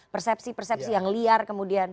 persepsi persepsi yang liar kemudian